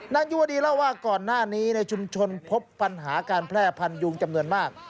ยุวดีเล่าว่าก่อนหน้านี้ในชุมชนพบปัญหาการแพร่พันยุงจำนวนมาก